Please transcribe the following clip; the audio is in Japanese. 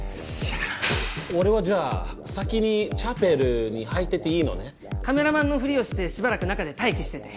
俺はじゃあ先にチャペルに入ってていカメラマンのフリをしてしばらく中で待機え？